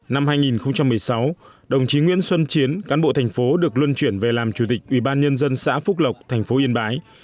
năm hai nghìn một mươi sáu đồng chí nguyễn xuân chiến cán bộ thành phố được luân chuyển về làm chủ tịch ubnd xã phúc lộc thành phố yên bái